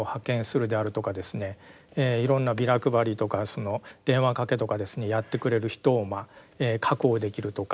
いろんなビラ配りとか電話かけとかですねやってくれる人を確保できるとか。